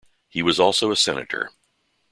He was also a senator.